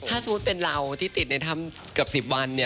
ถ้าสมมุติเป็นเราที่ติดในถ้ำเกือบ๑๐วัน